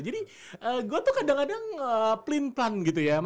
jadi gue tuh kadang kadang pelintan gitu ya